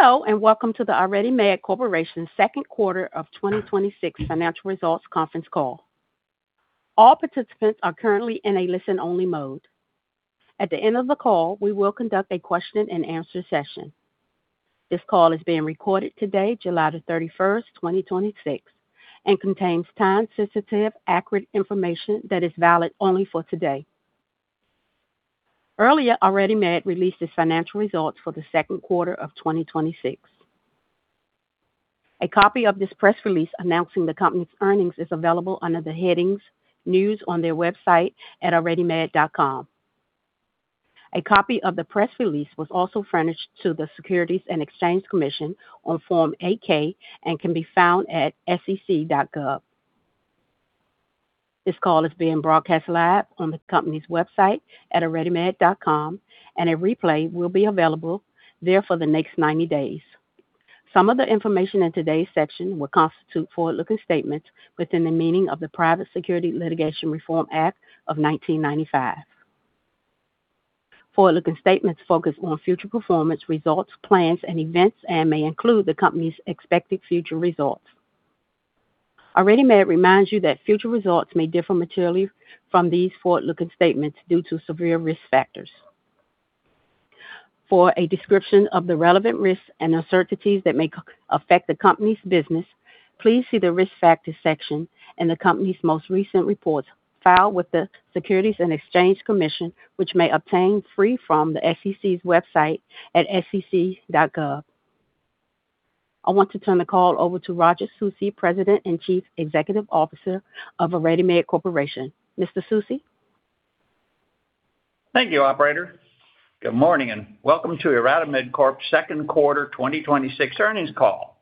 Hello, welcome to the IRadimed Corporation second quarter of 2026 financial results conference call. All participants are currently in a listen-only mode. At the end of the call, we will conduct a question-and-answer session. This call is being recorded today, July the 31st, 2026, and contains time-sensitive, accurate information that is valid only for today. Earlier, IRadimed released its financial results for the second quarter of 2026. A copy of this press release announcing the company's earnings is available under the headings News on their website at iradimed.com. A copy of the press release was also furnished to the Securities and Exchange Commission on Form 8-K and can be found at sec.gov. This call is being broadcast live on the company's website at iradimed.com, and a replay will be available there for the next 90 days. Some of the information in today's session will constitute forward-looking statements within the meaning of the Private Securities Litigation Reform Act of 1995. Forward-looking statements focus on future performance, results, plans, and events and may include the company's expected future results. IRadimed reminds you that future results may differ materially from these forward-looking statements due to severe risk factors. For a description of the relevant risks and uncertainties that may affect the company's business, please see the Risk Factors section in the company's most recent reports filed with the Securities and Exchange Commission, which may obtain free from the SEC's website at sec.gov. I want to turn the call over to Roger Susi, President and Chief Executive Officer of IRadimed Corporation. Mr. Susi? Thank you, operator. Good morning and welcome to IRadimed Corp's second quarter 2026 earnings call.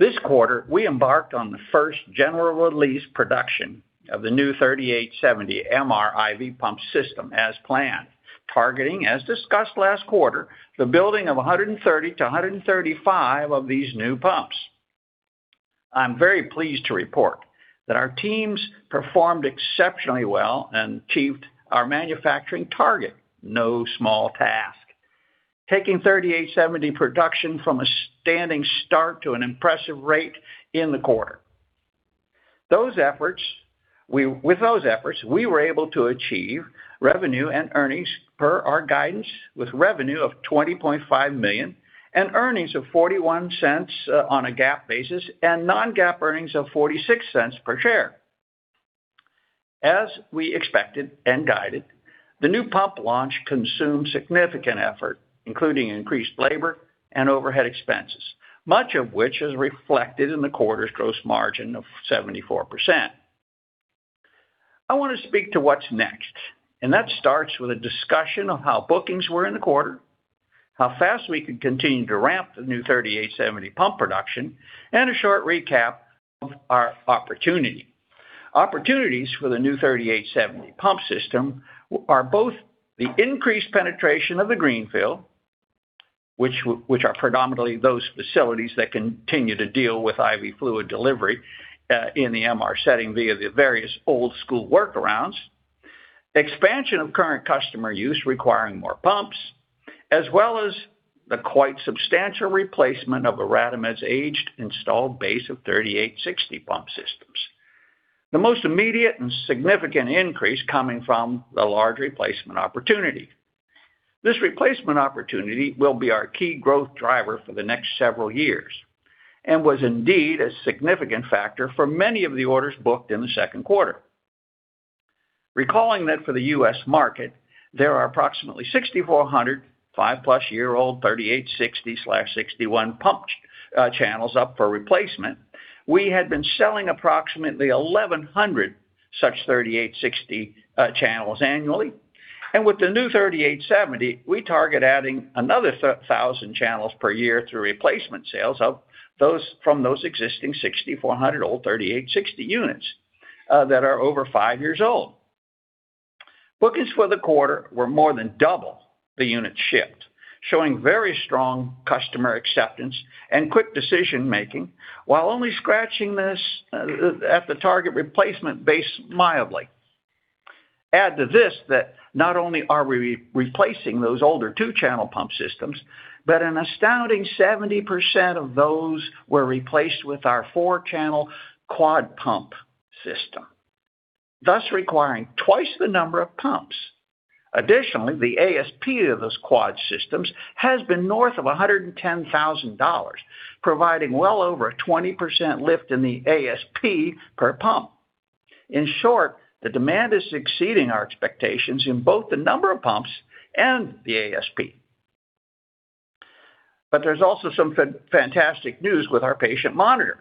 This quarter, we embarked on the first general release production of the new 3870 MRI IV pump system as planned, targeting, as discussed last quarter, the building of 130 to 135 of these new pumps. I'm very pleased to report that our teams performed exceptionally well and achieved our manufacturing target. No small task. Taking 3870 production from a standing start to an impressive rate in the quarter. With those efforts, we were able to achieve revenue and earnings per our guidance, with revenue of $20.5 million and earnings of $0.41 on a GAAP basis and non-GAAP earnings of $0.46 per share. As we expected and guided, the new pump launch consumed significant effort, including increased labor and overhead expenses, much of which is reflected in the quarter's gross margin of 74%. I want to speak to what's next, that starts with a discussion of how bookings were in the quarter, how fast we could continue to ramp the new 3870 pump production, and a short recap of our opportunity. Opportunities for the new 3870 pump system are both the increased penetration of the greenfield, which are predominantly those facilities that continue to deal with IV fluid delivery, in the MR setting via the various old-school workarounds. Expansion of current customer use requiring more pumps, as well as the quite substantial replacement of IRadimed's aged installed base of 3860 pump systems. The most immediate and significant increase coming from the large replacement opportunity. This replacement opportunity will be our key growth driver for the next several years and was indeed a significant factor for many of the orders booked in the second quarter. Recalling that for the U.S. market, there are approximately 6,400 five-plus-year-old 3860/3861 pump channels up for replacement. We had been selling approximately 1,100 such 3860 channels annually. With the new 3870, we target adding another 1,000 channels per year through replacement sales from those existing 6,400 old 3860 units that are over five years old. Bookings for the quarter were more than double the units shipped, showing very strong customer acceptance and quick decision-making while only scratching at the target replacement base mildly. Add to this that not only are we replacing those older two-channel pump systems, but an astounding 70% of those were replaced with our four-channel quad pump system, thus requiring twice the number of pumps. Additionally, the ASP of those quad systems has been north of $110,000, providing well over a 20% lift in the ASP per pump. In short, the demand is exceeding our expectations in both the number of pumps and the ASP. There's also some fantastic news with our patient monitor.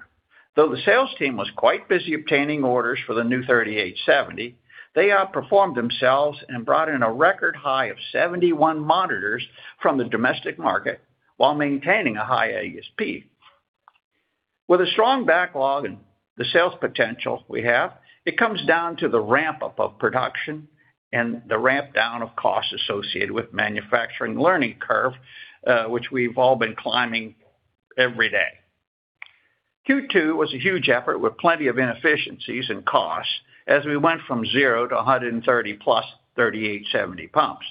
Though the sales team was quite busy obtaining orders for the new 3870, they outperformed themselves and brought in a record high of 71 monitors from the domestic market while maintaining a high ASP. With a strong backlog and the sales potential we have, it comes down to the ramp-up of production and the ramp-down of costs associated with manufacturing learning curve, which we've all been climbing every day. Q2 was a huge effort with plenty of inefficiencies in cost as we went from zero to 130 plus 3870 pumps.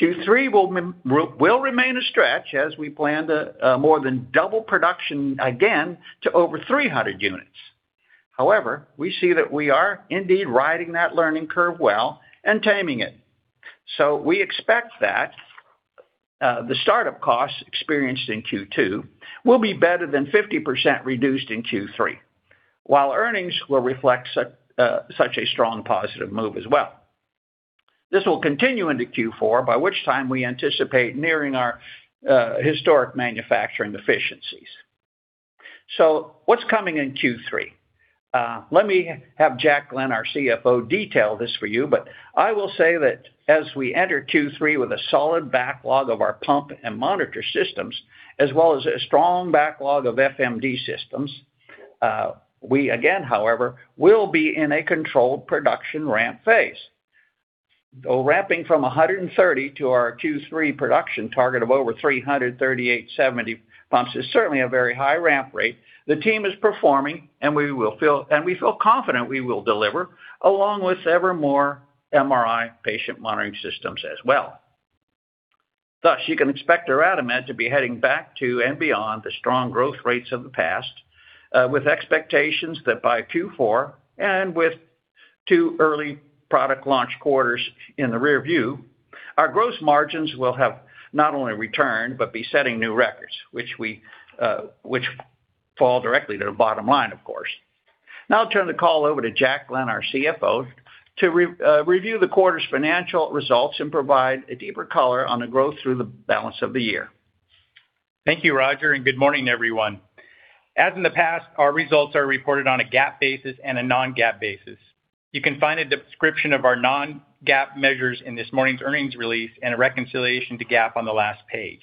Q3 will remain a stretch as we plan to more than double production again to over 300 units. However, we see that we are indeed riding that learning curve well and taming it. We expect that the startup costs experienced in Q2 will be better than 50% reduced in Q3, while earnings will reflect such a strong positive move as well. This will continue into Q4, by which time we anticipate nearing our historic manufacturing efficiencies. What's coming in Q3? Let me have Jack Glenn, our CFO, detail this for you, but I will say that as we enter Q3 with a solid backlog of our pump and monitor systems, as well as a strong backlog of FMD systems, we again, however, will be in a controlled production ramp phase. Though ramping from 130 to our Q3 production target of over 338 3870 pumps is certainly a very high ramp rate, the team is performing, and we feel confident we will deliver, along with ever more MRI patient monitoring systems as well. Thus, you can expect IRadimed to be heading back to and beyond the strong growth rates of the past, with expectations that by Q4, and with two early product launch quarters in the rear view, our gross margins will have not only returned but be setting new records, which fall directly to the bottom-line, of course. Now I'll turn the call over to Jack Glenn, our CFO, to review the quarter's financial results and provide a deeper color on the growth through the balance of the year. Thank you, Roger, and good morning, everyone. As in the past, our results are reported on a GAAP basis and a non-GAAP basis. You can find a description of our non-GAAP measures in this morning's earnings release and a reconciliation to GAAP on the last page.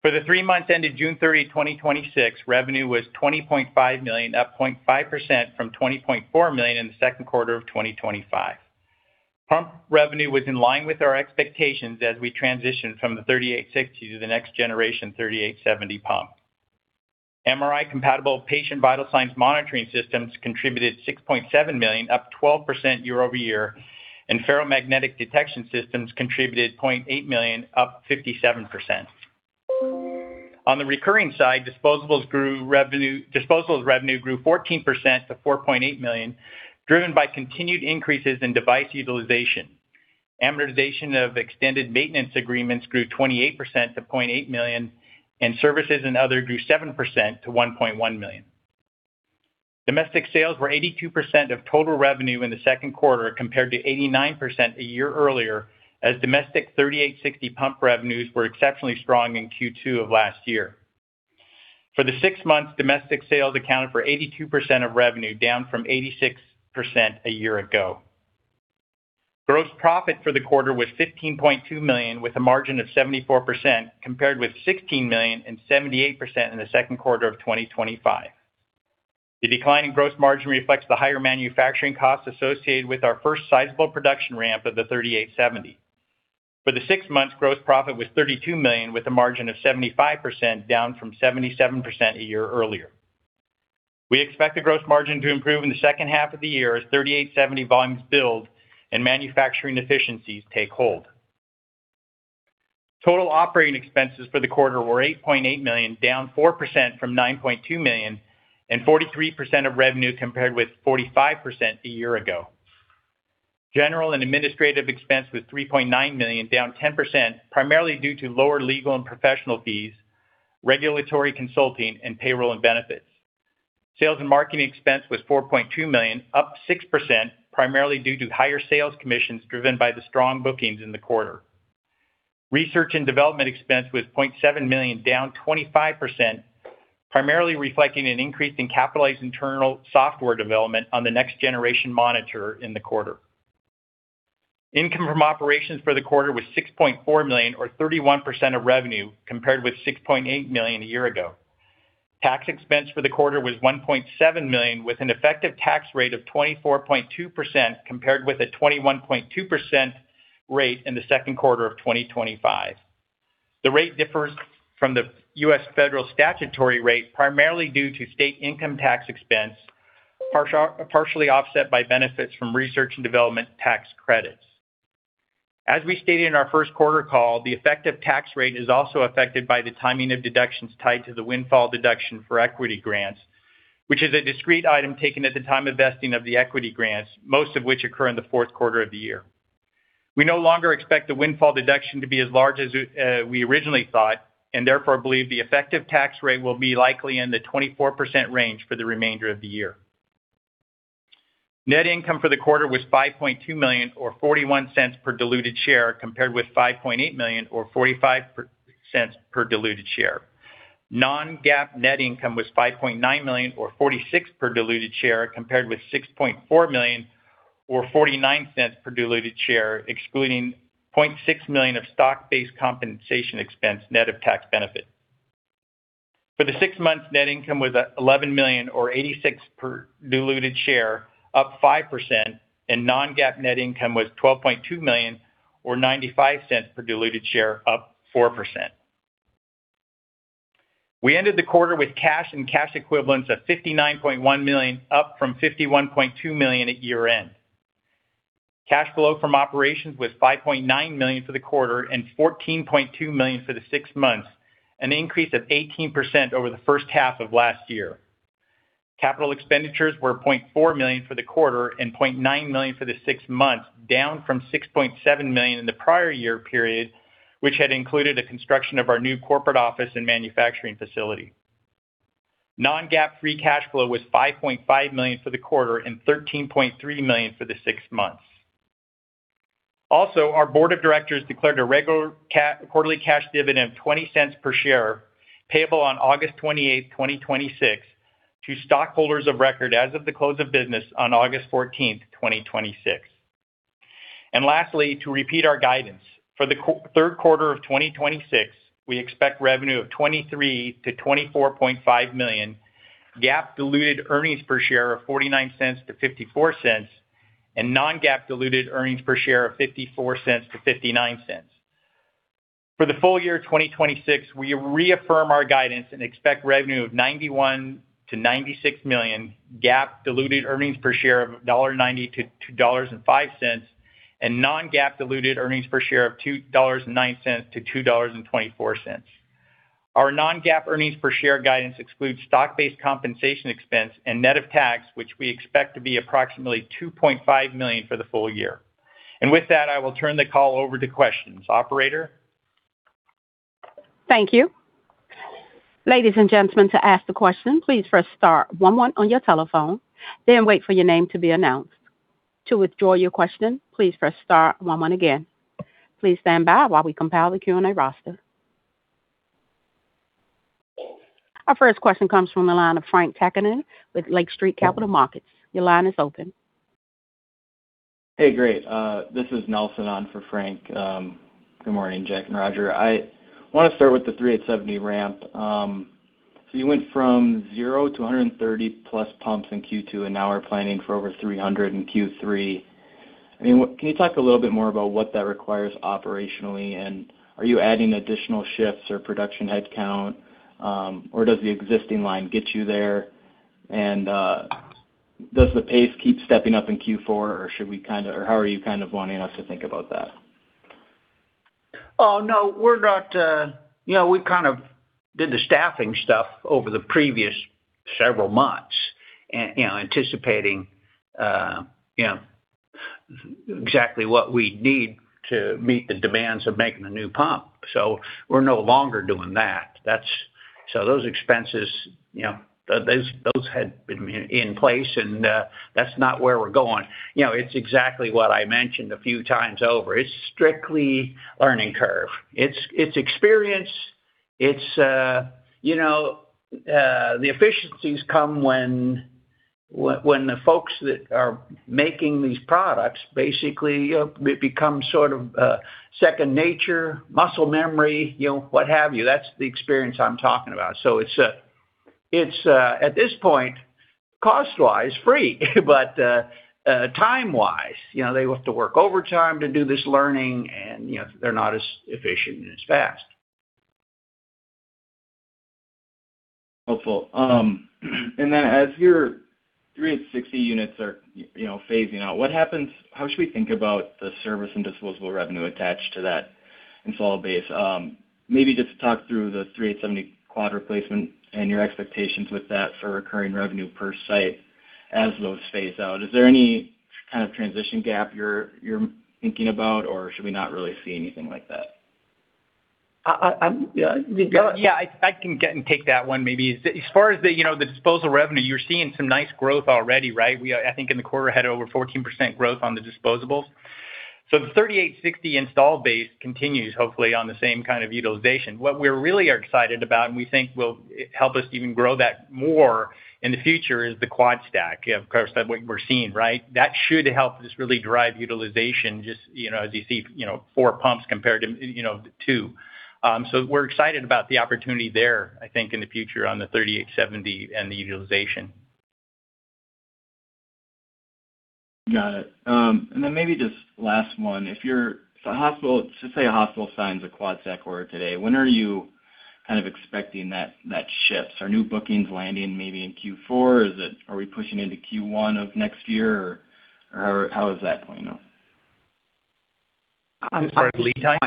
For the three months ended June 30, 2026, revenue was $20.5 million, up 0.5% from $20.4 million in the second quarter of 2025. Pump revenue was in line with our expectations as we transition from the 3860 to the next generation 3870 pump. MRI-compatible patient vital signs monitoring systems contributed $6.7 million, up 12% year-over-year, and ferromagnetic detection systems contributed $0.8 million, up 57%. On the recurring side, disposables revenue grew 14% to $4.8 million, driven by continued increases in device utilization. Amortization of extended maintenance agreements grew 28% to $0.8 million, and services and other grew 7% to $1.1 million. Domestic sales were 82% of total revenue in the second quarter, compared to 89% a year earlier, as domestic 3860 pump revenues were exceptionally strong in Q2 of last year. For the six months, domestic sales accounted for 82% of revenue, down from 86% a year ago. Gross profit for the quarter was $15.2 million, with a margin of 74%, compared with $16 million and 78% in the second quarter of 2025. The decline in gross margin reflects the higher manufacturing costs associated with our first sizable production ramp of the 3870. For the six months, gross profit was $32 million, with a margin of 75%, down from 77% a year earlier. We expect the gross margin to improve in the second half of the year as 3870 volumes build and manufacturing efficiencies take hold. Total operating expenses for the quarter were $8.8 million, down 4% from $9.2 million, and 43% of revenue, compared with 45% a year ago. General and administrative expense was $3.9 million, down 10%, primarily due to lower legal and professional fees, regulatory consulting, and payroll and benefits. Sales and marketing expense was $4.2 million, up 6%, primarily due to higher sales commissions driven by the strong bookings in the quarter. Research and development expense was $0.7 million, down 25%, primarily reflecting an increase in capitalized internal software development on the next-generation monitor in the quarter. Income from operations for the quarter was $6.4 million, or 31% of revenue, compared with $6.8 million a year ago. Tax expense for the quarter was $1.7 million, with an effective tax rate of 24.2%, compared with a 21.2% rate in the second quarter of 2025. The rate differs from the U.S. federal statutory rate, primarily due to state income tax expense, partially offset by benefits from research and development tax credits. As we stated in our first quarter call, the effective tax rate is also affected by the timing of deductions tied to the windfall deduction for equity grants, which is a discrete item taken at the time of vesting of the equity grants, most of which occur in the fourth quarter of the year. We no longer expect the windfall deduction to be as large as we originally thought, and therefore believe the effective tax rate will be likely in the 24% range for the remainder of the year. Net income for the quarter was $5.2 million, or $0.41 per diluted share, compared with $5.8 million, or $0.45 per diluted share. Non-GAAP net income was $5.9 million, or $0.46 per diluted share, compared with $6.4 million, or $0.49 per diluted share, excluding $0.6 million of stock-based compensation expense net of tax benefit. For the six months, net income was $11 million, or $0.86 per diluted share, up 5%, and non-GAAP net income was $12.2 million or $0.95 per diluted share, up 4%. We ended the quarter with cash and cash equivalents of $59.1 million, up from $51.2 million at year-end. Cash flow from operations was $5.9 million for the quarter and $14.2 million for the six months, an increase of 18% over the first half of last year. Capital expenditures were $0.4 million for the quarter and $0.9 million for the six months, down from $6.7 million in the prior year period, which had included the construction of our new corporate office and manufacturing facility. Our Board of Directors declared a regular quarterly cash dividend of $0.20 per share, payable on August 28th, 2026 to stockholders of record as of the close of business on August 14th, 2026. Lastly, to repeat our guidance. For the third quarter of 2026, we expect revenue of $23 million-$24.5 million, GAAP diluted earnings per share of $0.49-$0.54, and non-GAAP diluted earnings per share of $0.54-$0.59. For the full-year 2026, we reaffirm our guidance and expect revenue of $91 million-$96 million, GAAP diluted earnings per share of $1.90-$2.05, and non-GAAP diluted earnings per share of $2.09-$2.24. Our non-GAAP earnings per share guidance excludes stock-based compensation expense and net of tax, which we expect to be approximately $2.5 million for the full-year. With that, I will turn the call over to questions. Operator? Thank you. Ladies and gentlemen, to ask the question, please press star one one on your telephone, then wait for your name to be announced. To withdraw your question, please press star one one again. Please stand by while we compile the Q&A roster. Our first question comes from the line of Frank Takkinen with Lake Street Capital Markets. Your line is open. Nelson on for Frank. Good morning, Jack and Roger. I want to start with the 3870 ramp. You went from zero to 130+ pumps in Q2 and now are planning for over 300 in Q3. Can you talk a little bit more about what that requires operationally, are you adding additional shifts or production headcount, or does the existing line get you there? Does the pace keep stepping up in Q4, or how are you kind of wanting us to think about that? Oh, no. We kind of did the staffing stuff over the previous several months, anticipating exactly what we need to meet the demands of making the new pump. We're no longer doing that. Those expenses had been in place, and that's not where we're going. It's exactly what I mentioned a few times over. It's strictly learning curve. It's experience. The efficiencies come when the folks that are making these products, basically, it becomes sort of second nature, muscle memory, what have you. That's the experience I'm talking about. It's, at this point, cost-wise, free, but time-wise, they have to work overtime to do this learning, and they're not as efficient and as fast. Helpful. As your 3860 units are phasing out, how should we think about the service and disposable revenue attached to that install base? Maybe just talk through the 3870 quad replacement and your expectations with that for recurring revenue per site as those phase out. Is there any kind of transition gap you're thinking about, or should we not really see anything like that? Yeah, I can get and take that one maybe. As far as the disposal revenue, you're seeing some nice growth already, right? I think in the quarter, had over 14% growth on the disposables. The 3860 install base continues, hopefully, on the same kind of utilization. What we really are excited about, and we think will help us even grow that more in the future is the quad stack. Of course, that's what we're seeing, right? That should help just really drive utilization, as you see four pumps compared to two. We're excited about the opportunity there, I think in the future on the 3870 and the utilization. Got it. Then maybe just last one. Let's say a hospital signs a quad stack order today, when are you kind of expecting that shift? Are new bookings landing maybe in Q4? Are we pushing into Q1 of next year? How is that playing out? As far as lead time?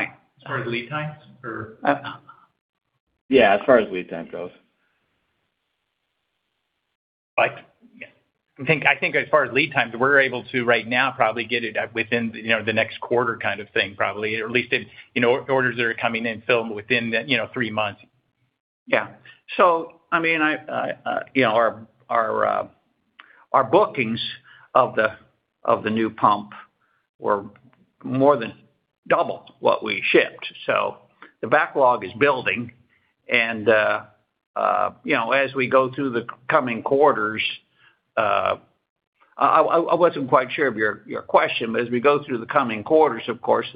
Yeah, as far as lead time goes. I think as far as lead times, we're able to, right now, probably get it within the next quarter kind of thing, probably, or at least orders that are coming in within three months. Our bookings of the new pump were more than double what we shipped. The backlog is building, and as we go through the coming quarters, I wasn't quite sure of your question, but as we go through the coming quarters, of course,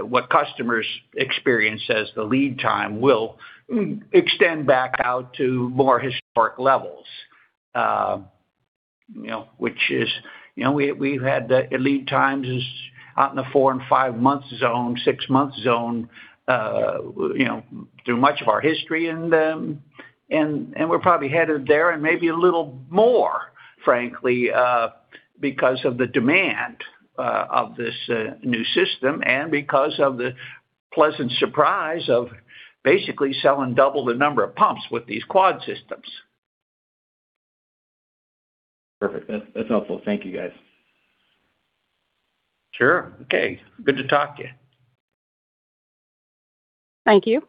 what customers experience as the lead time will extend back out to more historic levels. We've had the lead times out in the four and five months zone, six months zone, through much of our history, and we're probably headed there and maybe a little more, frankly, because of the demand of this new system and because of the pleasant surprise of basically selling double the number of pumps with these quad systems. Perfect. That's helpful. Thank you, guys. Sure. Okay. Good to talk to you. Thank you.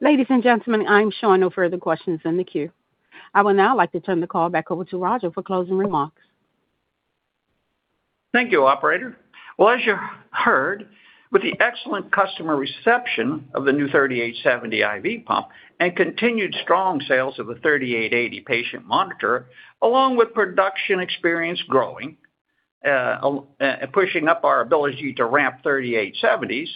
Ladies and gentlemen, I'm showing no further questions in the queue. I would now like to turn the call back over to Roger for closing remarks. Thank you, operator. Well, as you heard, with the excellent customer reception of the new 3870 IV pump and continued strong sales of the 3880 patient monitor, along with production experience growing, pushing up our ability to ramp 3870s,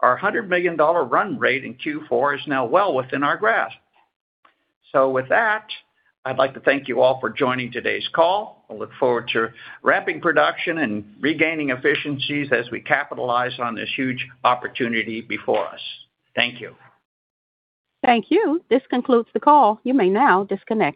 our $100 million run-rate in Q4 is now well within our grasp. With that, I'd like to thank you all for joining today's call. I look forward to ramping production and regaining efficiencies as we capitalize on this huge opportunity before us. Thank you. Thank you. This concludes the call. You may now disconnect.